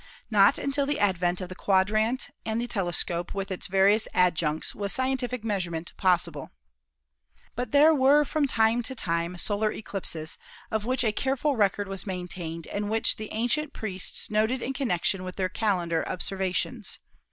Not until the advent of the quadrant and the telescope with its various adjuncts was scientific measurement possible. But there were from time to time solar eclipses, of which a careful record was maintained and which the ancient priests noted in connection with their calendar observa tions.